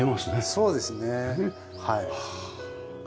そうですねはい。